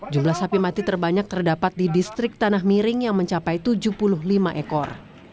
jumlah sapi mati terbanyak terdapat di distrik tanah miring yang mencapai tujuh puluh lima ekor